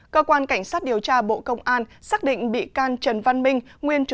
cơ quan cảnh sát điều tra bộ công an xác định bị can trần văn minh